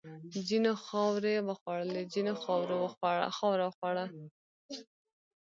ځینو خاورې وخوړلې، ځینو خاوره وخوړه.